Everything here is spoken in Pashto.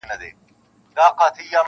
اوس یې پر پېچومو د کاروان حماسه ولیکه-